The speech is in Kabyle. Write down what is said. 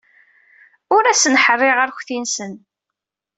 Ur asen-ḥerriɣ arekti-nsen.